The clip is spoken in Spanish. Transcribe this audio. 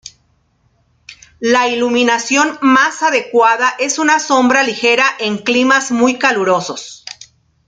La iluminación más adecuada es una sombra ligera en climas muy calurosos.